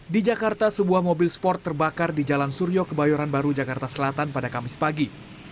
di jakarta sebuah mobil sport terbakar di jalan suryo kebayoran baru jakarta selatan pada kamis pagi